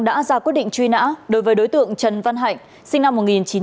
đã ra quyết định truy nã đối với đối tượng trần văn hạnh sinh năm một nghìn chín trăm tám mươi